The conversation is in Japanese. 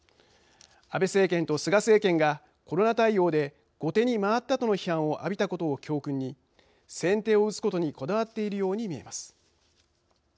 安倍政権と菅政権がコロナ対応で後手に回ったとの批判を浴びたことを教訓に先手を打つことにこだわっているように見えます。